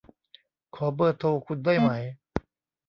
ขอเบอร์โทรคุณได้ไหม